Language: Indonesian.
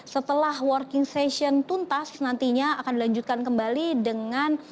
setelah working session tuntas nantinya akan dilanjutkan kembali dengan